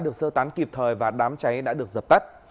được sơ tán kịp thời và đám cháy đã được dập tắt